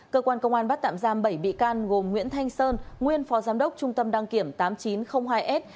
cơ quan công an bắt tạm giam bảy bị can gồm nguyễn thanh sơn nguyên phó giám đốc trung tâm đăng kiểm tám nghìn chín trăm linh hai s